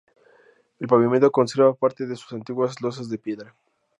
El pavimento conserva parte de sus antiguas losas de piedra.